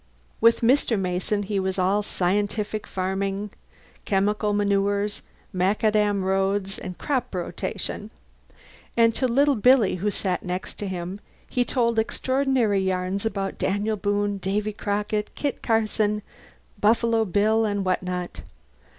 With Mr. Mason he was all scientific farming, chemical manures, macadam roads, and crop rotation; and to little Billy (who sat next him) he told extraordinary yarns about Daniel Boone, Davy Crockett, Kit Carson, Buffalo Bill, and what not.